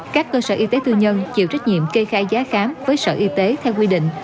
các cơ sở y tế tư nhân chịu trách nhiệm kê khai giá khám với sở y tế theo quy định